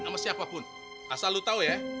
sama siapapun asal lo tau ya